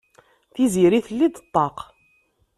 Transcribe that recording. Tiziri telli-d ṭṭaq.